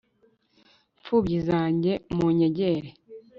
mfubyi zanjye munyegere